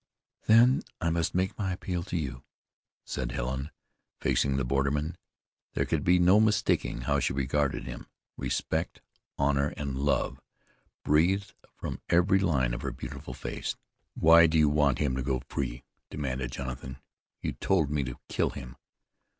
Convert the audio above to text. "Then I must make my appeal to you," said Helen, facing the borderman. There could be no mistaking how she regarded him. Respect, honor and love breathed from every line of her beautiful face. "Why do you want him to go free?" demanded Jonathan. "You told me to kill him."